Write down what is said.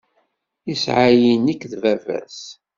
Isɛa-yi nekk d bab-as.